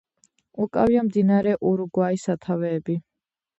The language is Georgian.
უკავია მდინარე ურუგვაის სათავეები.